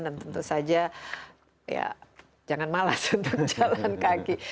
dan tentu saja ya jangan malas untuk jalan kaki